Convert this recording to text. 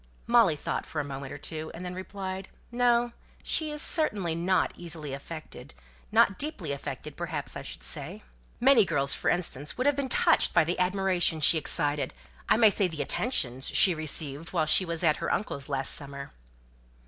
Molly thought for a minute or two, and then replied "No, she certainly is not easily affected not deeply affected perhaps I should say." "Many girls, for instance, would have been touched by the admiration she excited I may say the attentions she received when she was at her uncle's last summer."